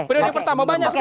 periode pertama banyak sekali